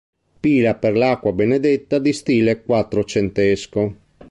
Pila per l'acqua benedetta di stile quattrocentesco.